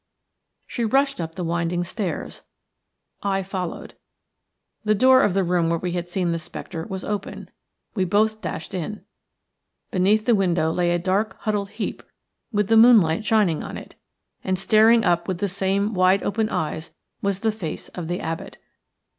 She rushed up the winding stairs; I followed. The door of the room where we had seen the spectre was open. We both dashed in. Beneath the window lay a dark huddled heap with the moonlight shining on it, and staring up with the same wide open eyes was the face of the abbot.